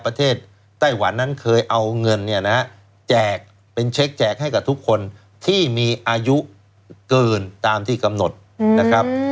ประเทศไต้หวันนั้นเคยเอาเงินเนี่ยนะฮะแจกเป็นเช็คแจกให้กับทุกคนที่มีอายุเกินตามที่กำหนดนะครับ